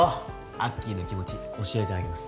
アッキーの気持ち教えてあげます